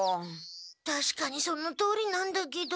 たしかにそのとおりなんだけど。